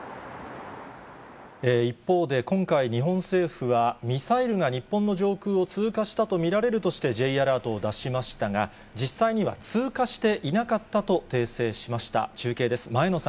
一方で、今回、日本政府は、ミサイルが日本の上空を通過したと見られるとしてＪアラートを出しましたが、実際には通過していなかったと訂正しました。